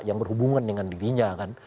yang berhubungan dengan dirinya kan